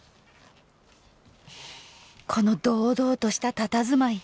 この堂々としたたたずまい。